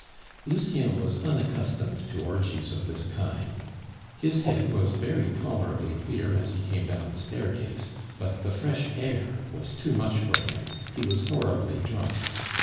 Lucien was unaccustomed to orgies of this kind. His head was very tolerably clear as he came down the staircase, but the fresh air was too much for him; he was horribly drunk.